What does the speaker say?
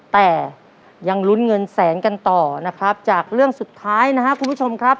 แต่ยังลุ้นเงินแสนกันต่อนะครับจากเรื่องสุดท้ายนะครับคุณผู้ชมครับ